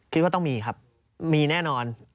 คิดว่าต้องมีครับมีแน่นอน